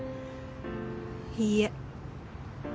いいえ。